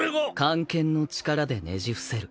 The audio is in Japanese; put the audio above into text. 官憲の力でねじ伏せる。